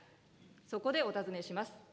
そこでお尋ねします。